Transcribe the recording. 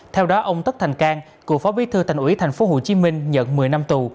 theo đó ông tất thành cang cựu phó bí thư thành ủy tp hcm nhận một mươi năm tù